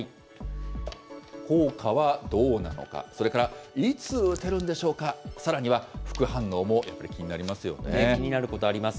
効果はどうなのか、それからいつ打てるんでしょうか、さらには、副反応もやっぱり気に気になることあります。